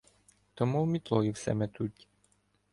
То мов мітлою все метуть.